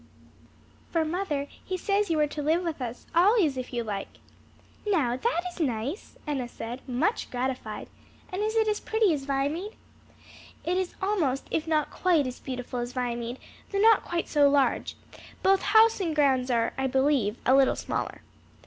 for, mother, he says you are to live with us always if you like." "Now that is nice!" Enna said, much gratified. "And is it as pretty as Viamede?" "It is almost if not quite as beautiful as Viamede, though not quite so large; both house and grounds are, I believe, a little smaller."